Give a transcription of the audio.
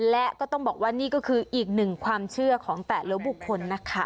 และก็ต้องบอกว่านี่ก็คืออีกหนึ่งความเชื่อของแต่ละบุคคลนะคะ